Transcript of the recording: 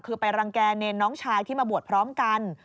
คือไปรังแก่เนรน้องชายที่มาบวชพร้อมกัน